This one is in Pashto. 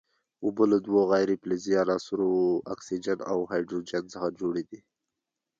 اوبه له دوو غیر فلزي عنصرونو اکسیجن او هایدروجن څخه جوړې دي.